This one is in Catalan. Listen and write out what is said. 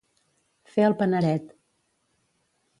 Fer el paneret.